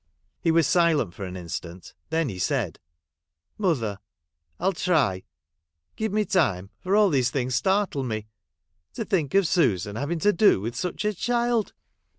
He was silent for an instant ; then he said, ' Mother, I '11 try. Give me time, for all these things startle me. To think of Susan having to do with such a child